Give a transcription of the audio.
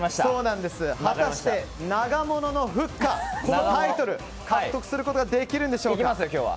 果たして長物のふっかこのタイトル獲得することができるんでしょうか。